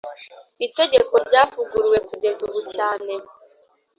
itegeko ryavuguruwe kugeza ubu cyane